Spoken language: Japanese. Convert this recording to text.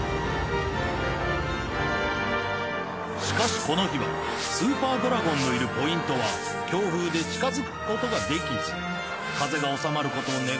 しかしこの日はスーパードラゴンのいるポイントは強風で近づくことができず風が収まることを願い